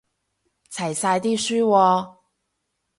齊晒啲書喎